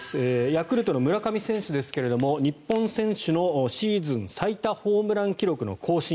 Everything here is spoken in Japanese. ヤクルトの村上選手ですが日本選手のシーズン最多ホームラン記録の更新